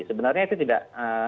sebenarnya itu tidak